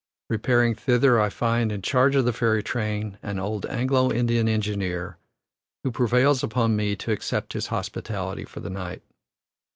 Repairing thither, I find, in charge of the ferry train, an old Anglo Indian engineer, who prevails upon me to accept his hospitality for the night.